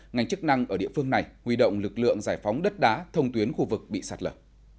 ngành chức năng ở địa phương này huy động lực lượng giải phóng đất đá thông tuyến khu vực bị sạt lở